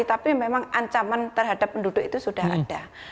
tapi memang ancaman terhadap penduduk itu sudah ada